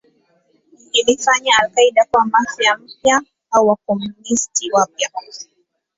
Ilifanya al-Qaeda kuwa Mafia mpya au Wakomunisti wapya.